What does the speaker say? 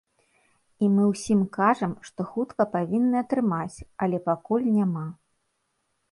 І мы ўсім кажам, што хутка павінны атрымаць, але пакуль няма.